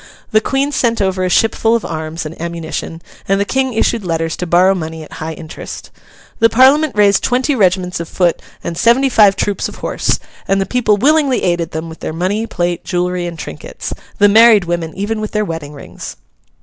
The Queen sent over a ship full of arms and ammunition, and the King issued letters to borrow money at high interest. The Parliament raised twenty regiments of foot and seventy five troops of horse; and the people willingly aided them with their money, plate, jewellery, and trinkets—the married women even with their wedding rings.